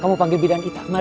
kamu panggil bidan ita